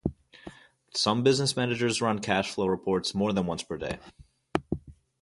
Some business managers run cash-flow reports more than once per day.